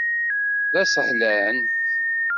D asehlan.